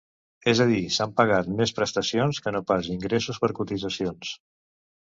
És a dir s’han pagat més prestacions que no pas ingressos per cotitzacions.